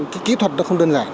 cái kỹ thuật nó không đơn giản